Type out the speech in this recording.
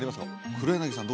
黒柳さん